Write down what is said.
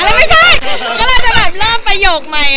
แล้วไม่ใช่กำลังจะแบบเริ่มประโยคใหม่